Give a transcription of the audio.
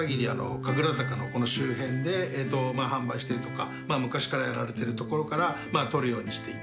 神楽坂のこの周辺で販売してるとか昔からやられてるところから取るようにしていて。